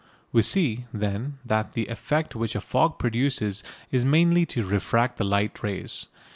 We see, then, that the effect which a fog produces is mainly to refract the light rays.